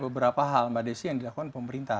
beberapa hal mbak desi yang dilakukan pemerintah